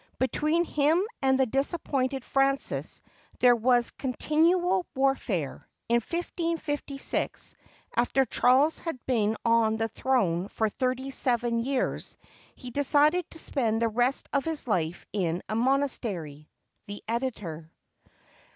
Between him and the disappointed Francis there was continual war fare. In 1556, after Charles had been on the throne for thirty seven years, he decided to spend the rest of his life in a monastery. The Editor.